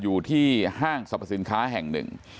อยู่ที่ห้างสรรพสินค้าแห่งหนึ่ง